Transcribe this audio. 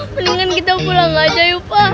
mendingan kita pulang aja ya pak